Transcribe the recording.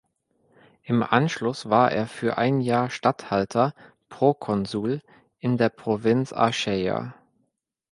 Im Anschluss war er für ein Jahr Statthalter (Proconsul) in der Provinz Achaia.